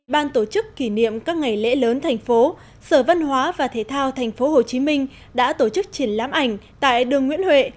ban tổ chức kỷ niệm các ngày lễ lớn thành phố sở văn hóa và thể thao thành phố hồ chí minh đã tổ chức triển lãm ảnh tại đường nguyễn huệ